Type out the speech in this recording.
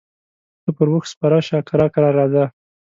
ته پر اوښ سپره شه کرار کرار راځه.